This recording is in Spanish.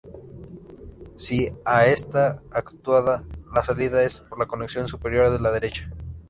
Si A esta actuada la salida es por la conexión superior de la derecha.